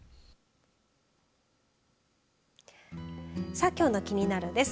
さあきょうのキニナル！です。